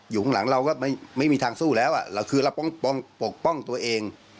อยู่ข้างหลังเราก็ไม่ไม่มีทางสู้แล้วอ่ะเราคือเราป้องป้องปกป้องตัวเอง